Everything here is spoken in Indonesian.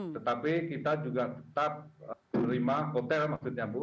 tetapi kita juga tetap menerima hotel maksudnya bu